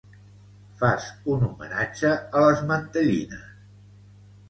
Fas un homenatge a les mantellines.